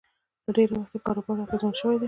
له ډېره وخته یې کاروبار اغېزمن شوی دی